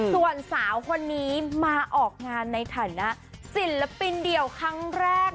ส่วนสาวคนนี้มาออกงานในฐานะศิลปินเดี่ยวครั้งแรก